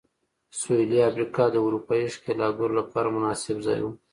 سوېلي افریقا د اروپايي ښکېلاکګرو لپاره مناسب ځای و.